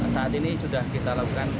saat ini sudah kita lakukan